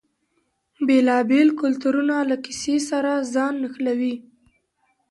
بیلابیل کلتورونه له کیسې سره ځان نښلوي.